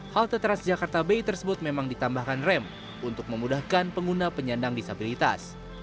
halte transjakarta bay tersebut memang ditambahkan rem untuk memudahkan pengguna penyandang disabilitas